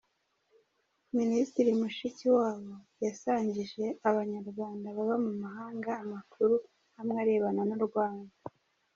Minisitiri Mushikiwabo yasangije abanyarwanda baba mu mahanga amakuru amwe arebana n’u Rwanda